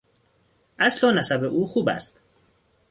اصل و نسب او خوب است.